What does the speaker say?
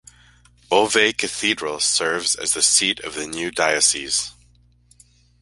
Beauvais Cathedral serves as the seat of the new diocese.